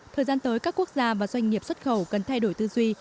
thời gian tới các quốc gia và doanh nghiệp xuất khẩu cần thay đổi tư duy